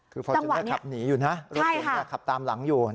คือฟอร์จูนเนอร์ขับหนีอยู่นะฮะใช่ค่ะรถเก๋งเนี้ยขับตามหลังอยู่